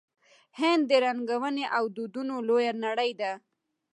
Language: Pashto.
هند د رنګونو او دودونو لویه نړۍ ده.